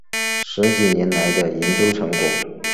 十几年来的研究成果